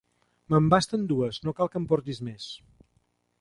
Me'n basten dues, no cal que en portis més.